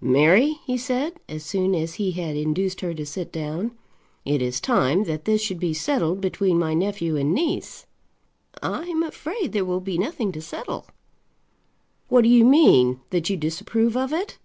"Mary," he said, as soon as he had induced her to sit down, "it is time that this should be settled between my nephew and niece." "I am afraid there will be nothing to settle." "What do you mean; that you disapprove of it?"